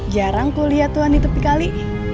jarang aku lihat tuhan di tepi kali